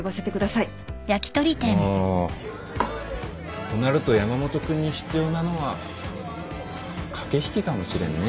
まあとなると山本君に必要なのは駆け引きかもしれんね。